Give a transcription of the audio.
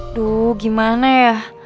aduh gimana ya